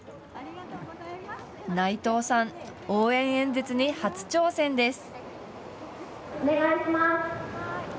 内藤さん、応援演説に初挑戦です。